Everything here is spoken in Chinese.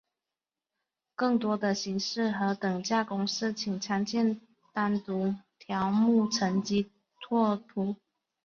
更多的形式和等价公式请参见单独条目乘积拓扑。